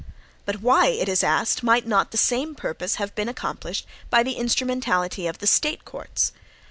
But why, it is asked, might not the same purpose have been accomplished by the instrumentality of the State courts?